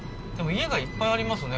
家がいっぱいありますね